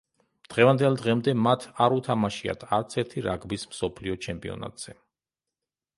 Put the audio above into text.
დღევანდელ დღემდე მათ არ უთამაშიათ არცერთ რაგბის მსოფლიო ჩემპიონატზე.